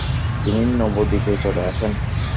তিনি নবদ্বীপে চলে আসেন।